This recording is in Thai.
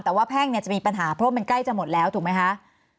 แต่ว่าแพ่งเนี่ยจะมีปัญหาเพราะมันใกล้จะหมดแล้วถูกไหมคะ